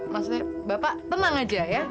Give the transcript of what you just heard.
maksudnya bapak tenang aja ya